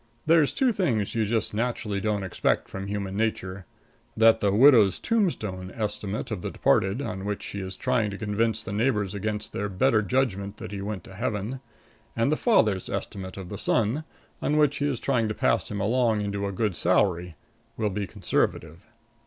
There's two things you just naturally don't expect from human nature that the widow's tombstone estimate of the departed, on which she is trying to convince the neighbors against their better judgment that he went to Heaven, and the father's estimate of the son, on which he is trying to pass him along into a good salary, will be conservative.